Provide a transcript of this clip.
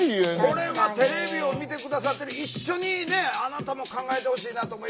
これはテレビを見て下さってる一緒にねあなたも考えてほしいなと思いますが。